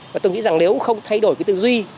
và tôi nghĩ rằng nếu không thay đổi cái tư duy